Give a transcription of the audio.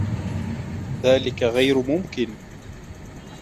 ذلك غير ممكن!